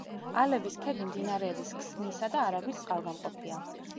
ალევის ქედი მდინარეების ქსნისა და არაგვის წყალგამყოფია.